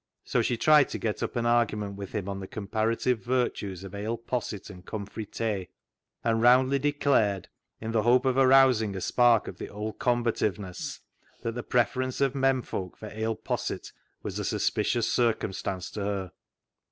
So she tried to get up an argument with him on the comparative virtues of ale posset and " cumfrey tay," and roundly declared, in the hope of arousing a spark of the old combativeness, that the preference of men folk for ale posset was a suspicious circumstance to her.